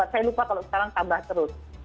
saya lupa kalau sekarang tambah terus